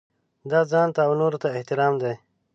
دا ځانته او نورو ته احترام دی.